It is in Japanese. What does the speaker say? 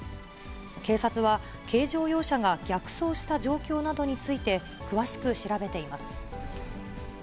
警察は、軽乗用車が逆走した状況などについて、詳しく調べています。